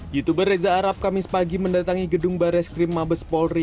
youtuber reza arab kamis pagi mendatangi gedung bares krim mabes polri